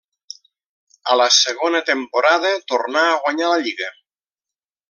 A la segona temporada tornà a guanyar la lliga.